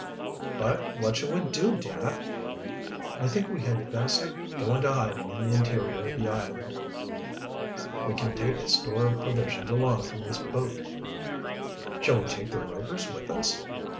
"But what shall we do, dad?" "I think we had best go into hiding in the interior of the island. We can take a store of provisions along from this boat." "Shall we take the Rovers with us?"